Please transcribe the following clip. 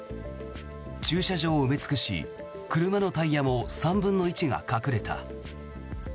駐車場を埋め尽くし車のタイヤも３分の１が隠れた。